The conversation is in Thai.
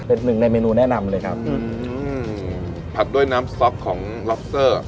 เป็น๑ในเมนูแนะนำเลยครับ